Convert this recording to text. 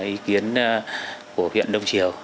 ý kiến của viễn đông triều